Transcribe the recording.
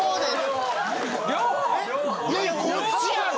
いやいやこっちやろ！